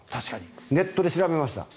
ネットで調べました。